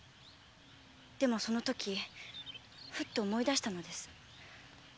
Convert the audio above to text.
でもそのときふっと思い出したのです。